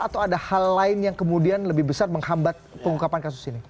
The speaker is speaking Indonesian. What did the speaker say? atau ada hal lain yang kemudian lebih besar menghambat pengungkapan kasus ini